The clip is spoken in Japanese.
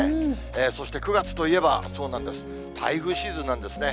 そして９月といえば、そうなんです、台風シーズンなんですね。